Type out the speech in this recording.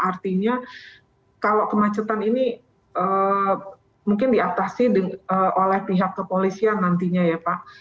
artinya kalau kemacetan ini mungkin diatasi oleh pihak kepolisian nantinya ya pak